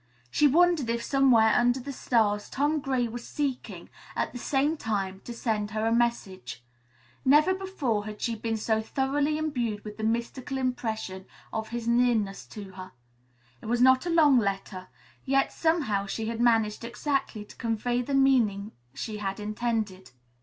She wondered if somewhere under the stars Tom Gray was seeking, at the same time, to send her a message. Never before had she been so thoroughly imbued with the mystical impression of his nearness to her. It was not a long letter, yet somehow she had managed exactly to convey the meaning she had intended.